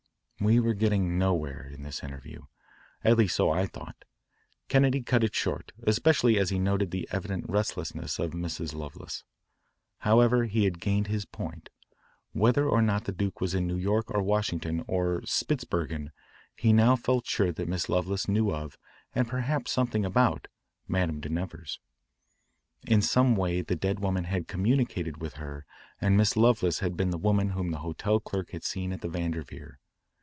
We were getting nowhere in this interview, at least so I thought. Kennedy cut it short, especially as he noted the evident restlessness of Mrs. Lovelace. However, he had gained his point. Whether or not the duke was in New York or Washington or Spitzbergen, he now felt sure that Miss Lovelace knew of, and perhaps something about, Madame de Nevers. In some way the dead woman had communicated with her and Miss Lovelace had been the woman whom the hotel clerk had seen at the Vanderveer.